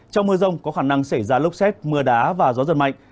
trong mưa rông có khả năng xảy ra lốc xét mưa đá và gió giật mạnh